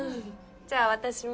じゃあ私も。